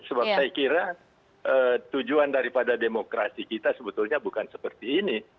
sebab saya kira tujuan daripada demokrasi kita sebetulnya bukan seperti ini